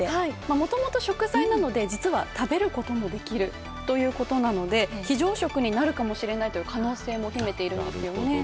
もともと食材なので、実は食べることもできるということなので、非常食になるかもしれないという可能性も秘めているんですよね。